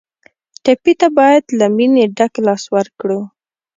ټپي ته باید له مینې ډک لاس ورکړو.